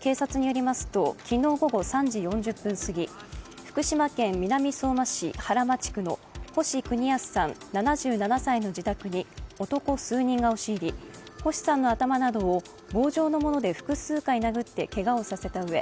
警察によりますと、昨日午後３時４０分すぎ福島県南相馬市原町区の星邦康さん７７歳の自宅に男数人が押し入り、星さんの頭などを棒状のもので複数回殴ってけがをさせたうえ